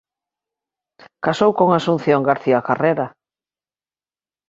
Casou con Asunción García Carrera.